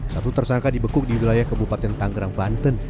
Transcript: satu tersangka dibekuk di wilayah kabupaten tanggerang banten